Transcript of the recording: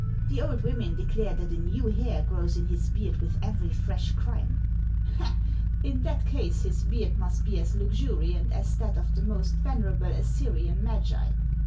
The old women declare that a new hair grows in his beard with every fresh crime ; in that case his beard must be as luxuriant as that of the most venerable Assyrian magi.